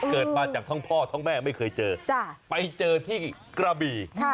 เกิดมาจากทั้งพ่อทั้งแม่ไม่เคยเจอไปเจอที่กระบี่